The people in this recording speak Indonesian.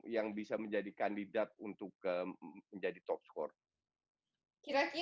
yang bisa menjadi kandidat untuk menjadi top score